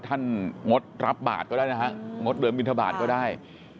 ท่านงดรับบาทก็ได้นะครับงดเบิร์นวินทบาทก็ได้